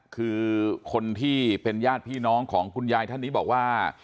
คือคนที่เป็นญาติพี่น้องของคุณยายท่านนี้บอกว่า